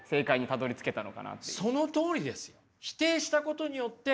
そのとおりですよ。